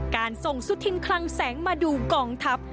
การส่งสุธินคลังแสงมาดูกองทัพ